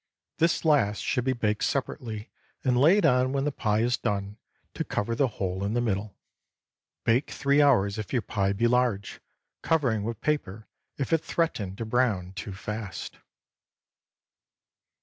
This last should be baked separately and laid on when the pie is done, to cover the hole in the middle. Bake three hours if your pie be large, covering with paper if it threaten to brown too fast.